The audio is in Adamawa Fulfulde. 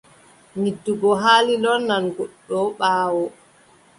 Yiddugo haali lornan goɗɗo ɓaawo.